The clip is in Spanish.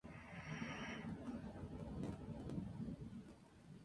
La influencia substrato explicarían algunos arcaísmos comunes.